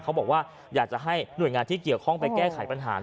เขาบอกว่าอยากจะให้หน่วยงานที่เกี่ยวข้องไปแก้ไขปัญหา